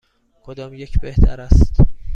کدام یک بهتر است؟